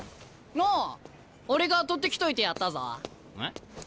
ああ俺が取ってきといてやったぞ。え？